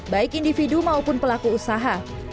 baik individu maupun pelaku usaha